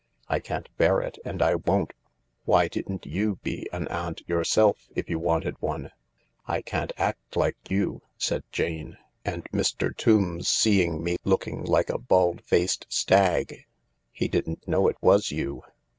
I can't bear it and I won't. Why didn't you be an aunt yourself, if you wanted one ?"" I can't act like you," said Jane. "And Mr. Tombs seeing me looking like a bald faced stag." " He didn't know it was you."